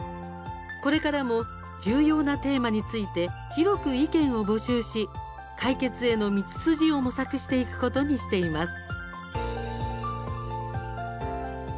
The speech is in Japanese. これからも重要なテーマについて広く意見を募集し解決への道筋を模索していくことにしています。